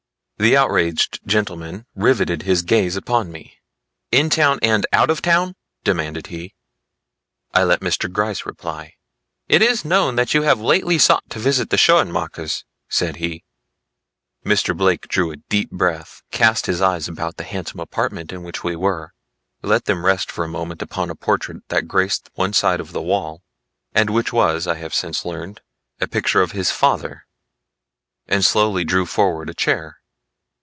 The outraged gentleman riveted his gaze upon me. "In town and out of town?" demanded he. I let Mr. Gryce reply. "It is known that you have lately sought to visit the Schoenmakers," said he. Mr. Blake drew a deep breath, cast his eyes about the handsome apartment in which we were, let them rest for a moment upon a portrait that graced one side of the wall, and which was I have since learned a picture of his father, and slowly drew forward a chair.